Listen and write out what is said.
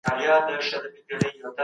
مالداري د اقتصاد لپاره مهمه ده.